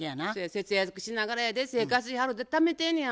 節約しながらやで生活費払うてためてんねや。